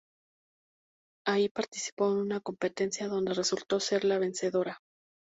Ahí participó en una competencia donde resultó ser la vencedora.